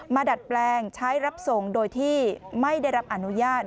ดัดแปลงใช้รับส่งโดยที่ไม่ได้รับอนุญาต